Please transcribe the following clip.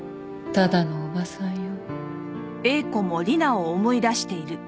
ただのおばさんよ。